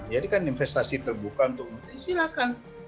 jadi kan investasi terbuka untuk menteri silakan